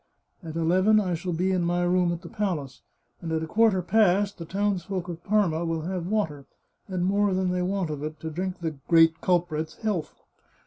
At eleven I shall be in my room at the palace, and at a quarter past the towns folk of Parma will have water, and more than they want of it, to drink the great culprit's health.